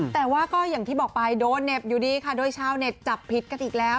แต่ว่าก็อย่างที่บอกไปโดนเหน็บอยู่ดีค่ะโดยชาวเน็ตจับผิดกันอีกแล้ว